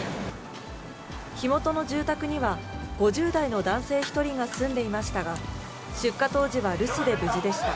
火元の住宅には、５０代の男性１人が住んでいましたが、出火当時は留守で無事でした。